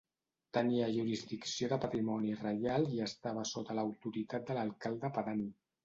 Tenia jurisdicció de patrimoni reial i estava sota l'autoritat de l'alcalde pedani.